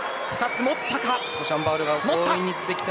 ２つ持ったか。